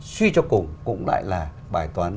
suy cho cùng cũng lại là bài toán